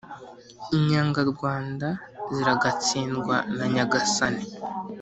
inyangarwanda ziragatsindwa na nyagasani